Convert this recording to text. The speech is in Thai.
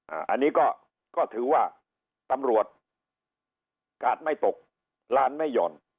อันนี้ก็ก็ถือว่าตำรวจกาดไม่ตกร้านไม่หย่อน